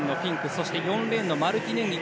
そして４レーンのマルティネンギ